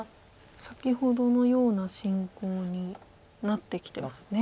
先ほどのような進行になってきてますね。